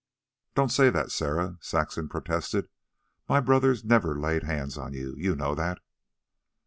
"Don't say that, Sarah," Saxon protested. "My brother never laid hands on you. You know that."